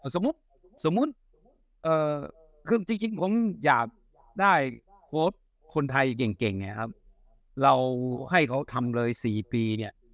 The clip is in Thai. สมมุติคือจริงผมอยากได้โค้ชคนไทยเก่งเนี่ยครับเราให้เขาทำเลย๔ปีเนี่ย